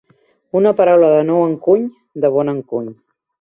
Una paraula de nou encuny, de bon encuny.